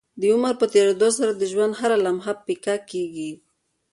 د عمر په تيريدو سره د ژوند هره لمحه پيکه کيږي